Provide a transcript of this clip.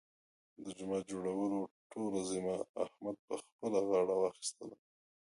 د جومات جوړولو ټوله ذمه احمد په خپله غاړه واخیستله.